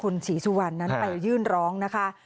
คุณสิริกัญญาบอกว่า๖๔เสียง